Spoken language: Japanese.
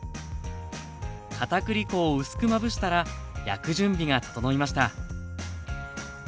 かたくり粉を薄くまぶしたら焼く準備が整いました